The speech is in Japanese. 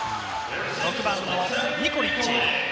６番・ニコリッチ。